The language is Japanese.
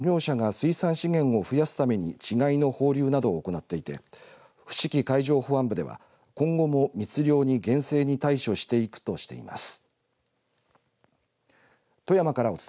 県内の沿岸部では漁業者が水産資源を増やすために稚貝の放流などを行っていて伏木海上保安部では今後も密漁に厳正に対処していくとしています。